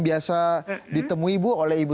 biasa ditemui ibu oleh ibu